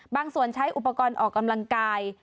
บางส่วนใช้อุปกรณ์ออกกำลังกาย